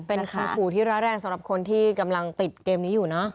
เป็นคำขู่ที่ร้ายแรงสำหรับคนที่กำลังติดเกมนี้อยู่เนอะ